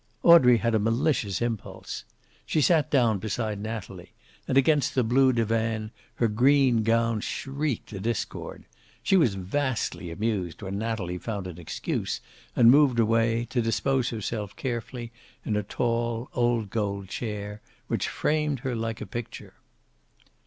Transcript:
Audrey had a malicious impulse. She sat down beside Natalie, and against the blue divan her green gown shrieked a discord. She was vastly amused when Natalie found an excuse and moved away, to dispose herself carefully in a tall, old gold chair, which framed her like a picture.